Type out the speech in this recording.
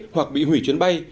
hoặc bị hủy chuyến bay